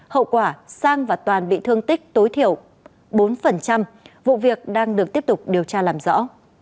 hậu quả sang và toàn bị thương tích tối thiểu bốn vụ việc đang được tiếp tục điều tra làm rõ